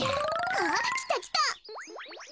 あきたきた。